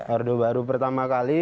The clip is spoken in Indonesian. orde baru pertama kali